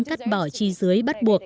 cắt bỏ trí dưới bắt buộc